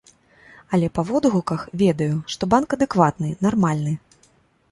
Але па водгуках ведаю, што банк адэкватны, нармальны.